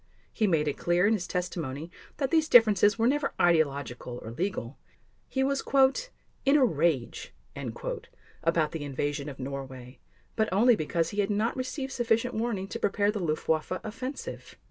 He made it clear in his testimony that these differences were never ideological or legal. He was "in a rage" about the invasion of Norway, but only because he had not received sufficient warning to prepare the Luftwaffe offensive.